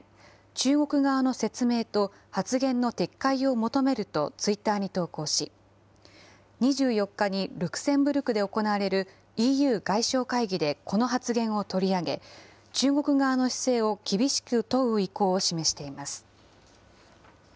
中国側の説明と発言の撤回を求めるとツイッターに投稿し、２４日にルクセンブルクで行われるＥＵ外相会議でこの発言を取り上げ、中国側の姿勢を厳しく問う意向を示しています。